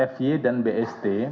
fye dan bst